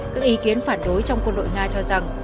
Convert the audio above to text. các ý kiến phản đối trong quân đội nga cho rằng